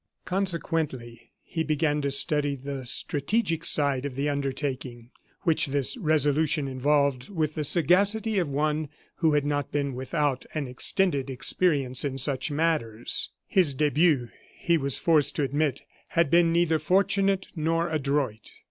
Consequently he began to study the strategic side of the undertaking which this resolution involved with the sagacity of one who had not been without an extended experience in such matters. His debut, he was forced to admit, had been neither fortunate nor adroit.